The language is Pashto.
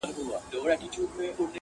پر وړو لویو خبرو نه جوړېږي،